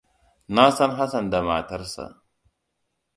Na san Hassan da matarsa.